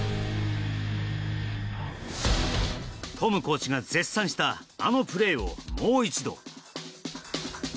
トムコーチが絶賛したあのプレーをもう一度。